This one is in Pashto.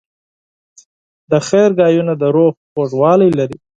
د خیر خبرې د روح خوږوالی لري.